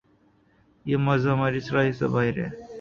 یہ معجزہ ہماری صلاحیت سے باہر ہے۔